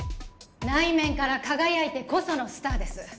内面から輝いてこそのスターです